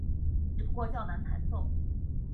只不过较难弹奏。